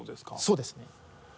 そうですね。